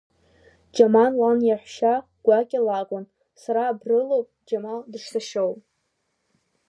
Џьамал иан лаҳәшьа гәакьа лакәын сара абрылоуп Џьамал дышсашьоу.